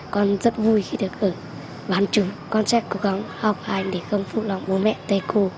con rất vui khi được ở bán trường con sẽ cố gắng học hành thì không phụ lòng bố mẹ thầy cô